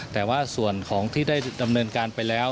แต่ว่าส่วนของที่ได้ดำเนินการไปแล้ว